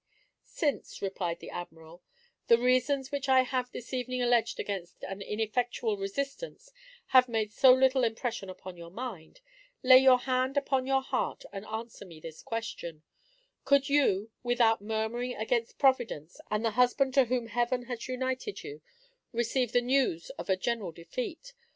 "Since," replied the Admiral, "the reasons which I have this evening alleged against an ineffectual resistance have made so little impression upon your mind, lay your hand upon your heart and answer me this question, Could you, without murmuring against Providence and the husband to whom Heaven has united you, receive the news of a general defeat?